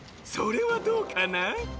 それはどうかな？